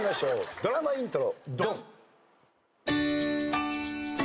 ドラマイントロ。